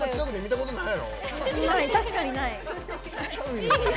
確かにない。